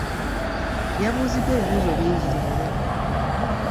Yabuuziddwa ebibuuzo bingi leero.